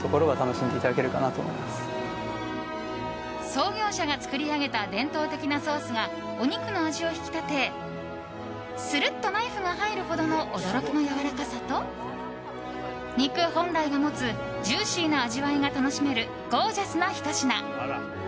創業者が作り上げた伝統的なソースがお肉の味を引き立てするっとナイフが入るほどの驚きのやわらかさと肉本来が持つジューシーな味わいが楽しめるゴージャスなひと品。